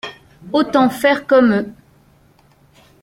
Autant faire comme eux.